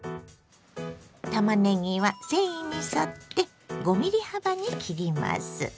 たまねぎは繊維に沿って５ｍｍ幅に切ります。